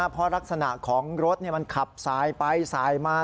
เพราะลักษณะของรถมันขับสายไปสายมา